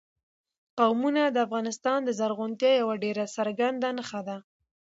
قومونه د افغانستان د زرغونتیا یوه ډېره څرګنده نښه ده.